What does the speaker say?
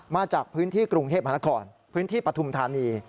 มาจากพื้นที่กรุงเทพมหานครพื้นที่ปฐุมธานี